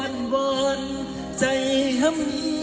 สวัสดีครับ